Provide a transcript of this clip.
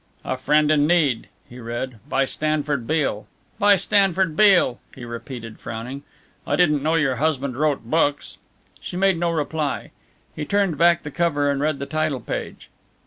"'A Friend in Need,'" he read. "By Stanford Beale by Stanford Beale," he repeated, frowning. "I didn't know your husband wrote books?" She made no reply. He turned back the cover and read the title page.